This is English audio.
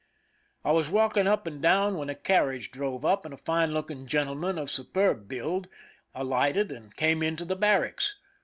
I was still walking up and down when a carriage drove up, and a fine looking gentleman of superb build alighted and came into the barracks.